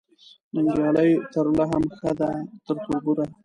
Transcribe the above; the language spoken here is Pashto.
ننګیالۍ ترله هم ښه ده تر تربوره